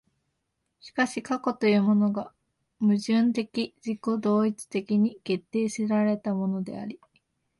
しかし過去というものが矛盾的自己同一的に決定せられたものであり、